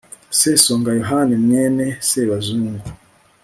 sesonga yohani mwene sebazungu